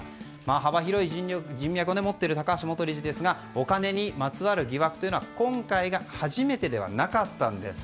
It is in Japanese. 幅広い人脈を持っている高橋元理事ですがお金にまつわる疑惑は今回が初めてではなかったんです。